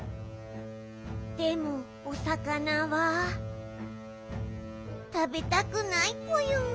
でもおさかなはたべたくないぽよん。